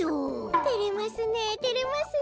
てれますねてれますね。